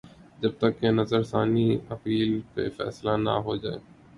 جب تک کہ نظر ثانی اپیل پہ فیصلہ نہ ہوجائے۔